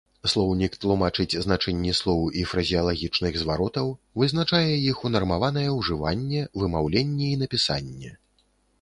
Слоўнік тлумачыць значэнні слоў і фразеалагічных зваротаў, вызначае іх унармаванае ўжыванне, вымаўленне і напісанне.